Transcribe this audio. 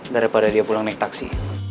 daripada dia pulang naik taksi